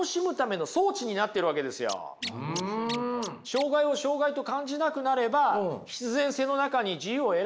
障害を障害と感じなくなれば必然性の中に自由を得られますよね。